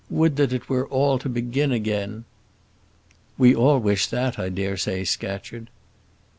would that it were all to begin again!" "We all wish that, I dare say, Scatcherd."